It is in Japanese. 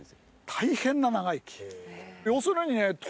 大変な長生き。